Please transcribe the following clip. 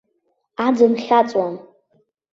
Аӡын хьаҵуам.